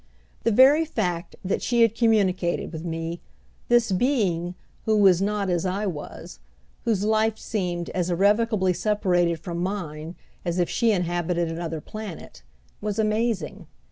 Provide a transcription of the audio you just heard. The very fact that she had communicated with me, this being who was not as I was, whose life seemed as irrevocably separated from mine, as if she inhabited another planet, was amazing.